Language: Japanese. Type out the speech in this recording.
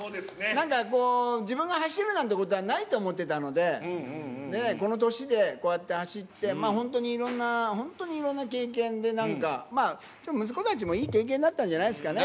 なんかこう、自分が走るなんてことはないと思ってたので、この年でこうやって走って、まあ、本当にいろんな、本当にいろんな経験で、なんか息子たちもいい経験になったんじゃないですかね。